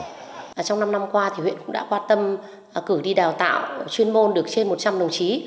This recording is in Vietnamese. trong năm năm qua thì huyện cũng đã quan tâm cử đi đào tạo chuyên môn được trên một trăm linh đồng chí